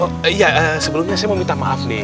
oh iya sebelumnya saya mau minta maaf nih